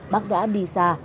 bác đã đi xa